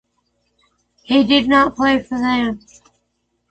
He did not play for them.